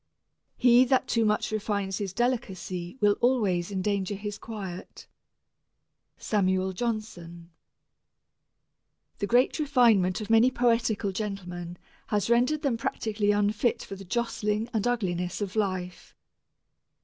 He that too much refines his delicacy will always endanger his quiet. SAMUEL JOHNSON. The great refinement of many poetical gentlemen has rendered them practically unfit for the jostling and ugliness of life.